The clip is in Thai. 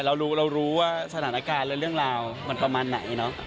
เรารู้ว่าสถานการณ์และเรื่องราวมันประมาณไหนเนอะ